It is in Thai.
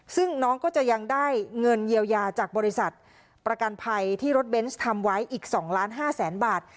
ซึ่งน้องก็จะยังได้เงินเยียวยาจากบริษัทประกันภัยที่รถเบนส์ทำไว้อีก๒ล้าน๕แสนบาท